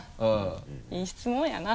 いい質問やな。